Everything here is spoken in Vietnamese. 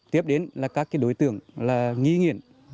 tiếp đến là các đối tượng nghi nghiện